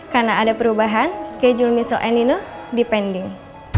karena ada perubahan schedule mr anina depending